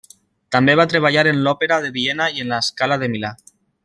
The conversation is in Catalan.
També va treballar en l'Òpera de Viena i en La Scala de Milà.